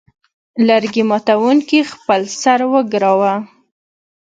لرګي ماتوونکي خپل سر وګراوه.